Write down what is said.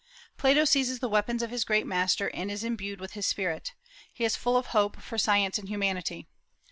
Plato seizes the weapons of his great master, and is imbued with his spirit. He is full of hope for science and humanity.